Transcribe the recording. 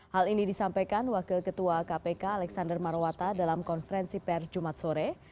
hal ini disampaikan wakil ketua kpk alexander marwata dalam konferensi pers jumat sore